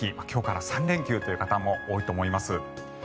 今日から３連休という方も多いと思います。